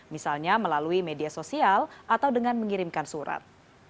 misalnya melalui media sosial atau dengan mengirimkan surat